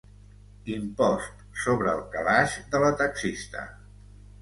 Impost sobre el calaix de la taxista.